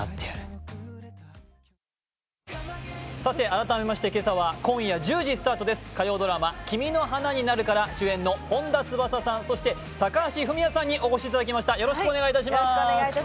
改めまして今夜１０時スタートです、火曜ドラマ「君の花になる」から主演の本田翼さん、そして高橋文哉さんにお越しいただきました。